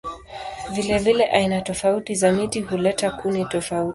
Vilevile aina tofauti za miti huleta kuni tofauti.